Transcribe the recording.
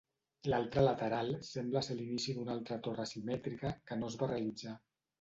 L'altre lateral sembla ser l'inici d'una altra torre simètrica, que no es va realitzar.